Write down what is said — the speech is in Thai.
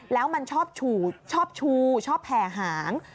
แล้วมันชอบชูชอบแผ่หาง